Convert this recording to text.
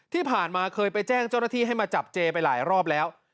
ที่ผ่านมาเคยไปแจ้งเจ้าหน้าที่ให้มาจับเจไปหลายรอบแล้ว